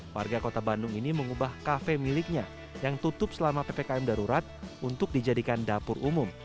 warga kota bandung ini mengubah kafe miliknya yang tutup selama ppkm darurat untuk dijadikan dapur umum